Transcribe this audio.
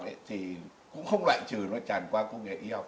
y học thì cũng không loại trừ nó tràn qua công nghệ y học